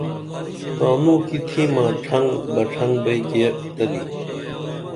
تانوں کی تِھمہ ڇھنگ بہ ڇھنگ بئی کیرتلی